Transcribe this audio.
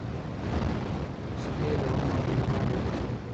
شپې د عمر غلیماني ورځي وخوړې کلونو